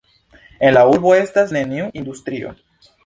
En la urbo estas neniu industrio.